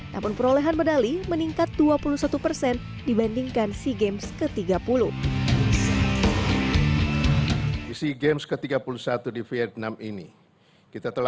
namun perolehan medali meningkat dua puluh satu persen dibandingkan sea games ke tiga puluh